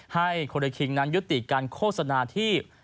ให้โคเรคิงนั้นยุติการโฆษณาที่